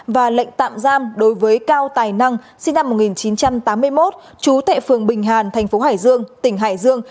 và lệnh tạm giam đối với cao tài năng sinh năm một nghìn chín trăm tám mươi một trú tại phường bình hàn thành phố hải dương tỉnh hải dương